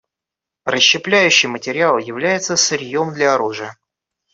Расщепляющийся материал является сырьем для оружия.